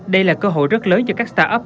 đây là cơ hội rất lớn cho các start up